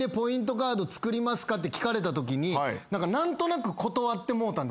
カード作りますかって聞かれたときに何となく断ってもうたんです。